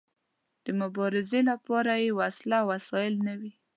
د مبارزې لپاره يې وسله او وسايل نه وي.